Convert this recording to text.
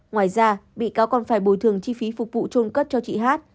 ngoài ra bị cáo còn phải bồi thường chi phí phục vụ trôn cất cho chị hát